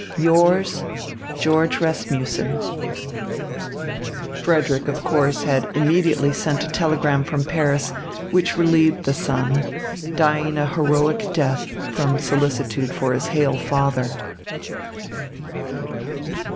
Yours, George Rasmussen. Frederick, of course, had immediately sent a telegram from Paris, which relieved the son, dying a heroic death, from solicitude for his hale father.